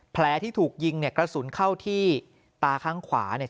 แผลที่ถูกยิงเนี่ยกระสุนเข้าที่ตาข้างขวาเนี่ย